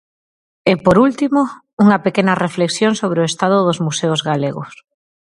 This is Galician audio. E, por último, unha pequena reflexión sobre o estado dos museos galegos.